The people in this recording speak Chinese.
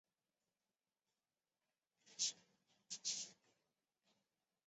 奥克拉荷马市位于奥克拉荷马州的中部。